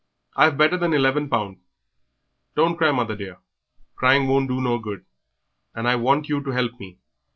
I've better than eleven pound. Don't cry, mother dear; crying won't do no good, and I want you to help me.